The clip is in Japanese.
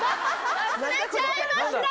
忘れちゃいました！